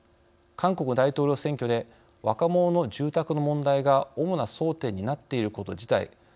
「韓国の大統領選挙で若者の住宅の問題が主な争点になっていること自体